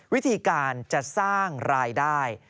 วิธีการจะสร้างรายได้